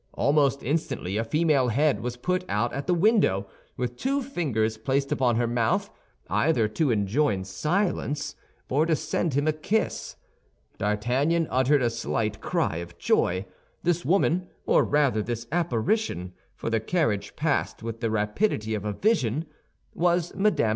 Almost instantly a female head was put out at the window, with two fingers placed upon her mouth, either to enjoin silence or to send him a kiss. D'Artagnan uttered a slight cry of joy; this woman, or rather this apparition—for the carriage passed with the rapidity of a vision—was Mme.